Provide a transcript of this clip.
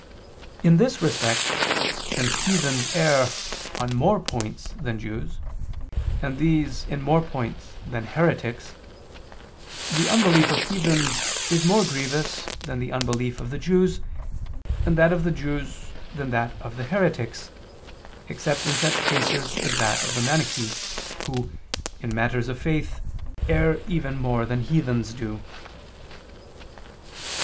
In this respect, since heathens err on more points than Jews, and these in more points than heretics, the unbelief of heathens is more grievous than the unbelief of the Jews, and that of the Jews than that of the heretics, except in such cases as that of the Manichees, who, in matters of faith, err even more than heathens do.